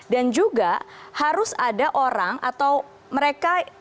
dan juga harus ada orang atau mereka